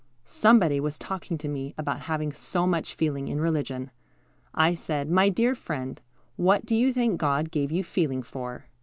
Somebody was talking to me about having so much feeling in religion. I said, "My dear friend, what do you think God gave you feeling for?"